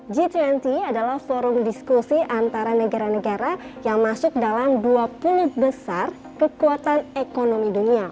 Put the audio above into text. g dua puluh adalah forum diskusi antara negara negara yang masuk dalam dua puluh besar kekuatan ekonomi dunia